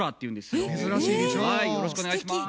よろしくお願いします。